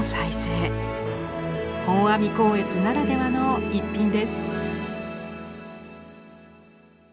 本阿弥光悦ならではの逸品です。